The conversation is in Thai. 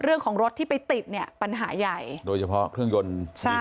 เรื่องของรถที่ไปติดเนี่ยปัญหาใหญ่โดยเฉพาะเครื่องยนต์ใช่